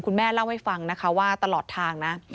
แม่เล่าให้ฟังนะคะว่าตลอดทางนะ